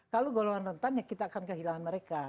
kalau golongan rentan ya kita akan kehilangan mereka